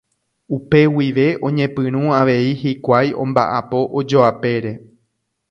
Upe guive oñepyrũ avei hikuái omba'apo ojoapére.